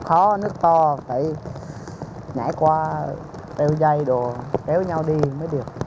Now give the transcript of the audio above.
khó nước to phải nhảy qua đeo dây đồ đeo nhau đi mới được